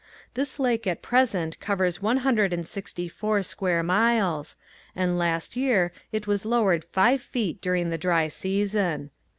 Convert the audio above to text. This lake at present covers one hundred and sixty four square miles, and last year it was lowered five feet during the dry season.